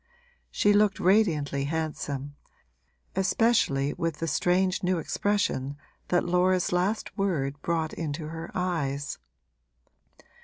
She looked radiantly handsome, especially with the strange new expression that Laura's last word brought into her eyes.